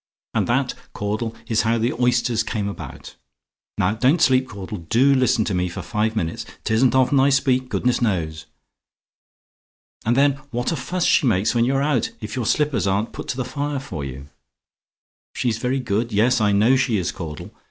And that, Caudle, is how the oysters came about. Now, don't sleep, Caudle: do listen to me for five minutes; 'tisn't often I speak, goodness knows. "And then, what a fuss she makes when you are out, if your slippers aren't put to the fire for you. "SHE'S VERY GOOD? "Yes, I know she is, Caudle.